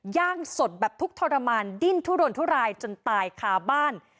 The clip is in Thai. ย่างสดแบบทุกข์ทรมานดิ้นทุรนทุรายจนตายคาบ้าน